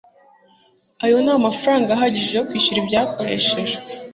ayo ni amafaranga ahagije yo kwishyura ibyakoreshejwe